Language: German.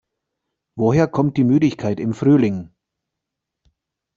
Woher kommt die Müdigkeit im Frühling?